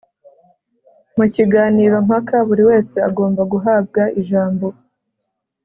Mu kiganiro mpaka, buri wese agomba guhabwa ijambo